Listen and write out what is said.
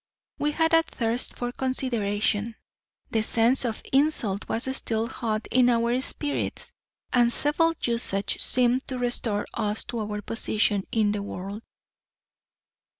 We had a thirst for consideration; the sense of insult was still hot in our spirits; and civil usage seemed to restore us to our position in the world.